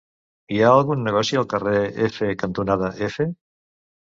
Hi ha algun negoci al carrer F cantonada F?